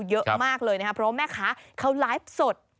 เยอะมากเลยนะครับเพราะว่าแม่ค้าเขาไลฟ์สด